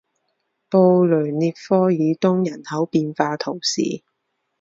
布雷涅科尔东人口变化图示